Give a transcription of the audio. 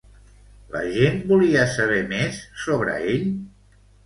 La gent volia saber més sobre ell?